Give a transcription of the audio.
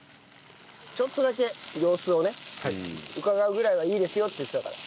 ちょっとだけ様子をねうかがうぐらいはいいですよって言ってたから。